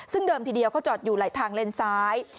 ซึ่งเดิมทีเดียวเขาจอดอยู่ไหลทางเลนซ้าย